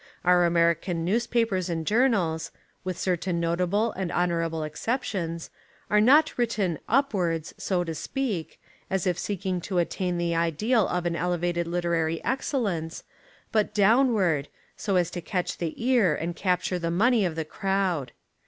Our American newspapers and journals (with certain notable and honourable exceptions) are not written "upwards" (so to speak) as If seek ing to attain the Ideal of an elevated literary excellence, but "downward," so as to catch the ear and capture the money of the crowd.